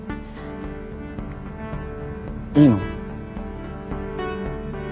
いいの？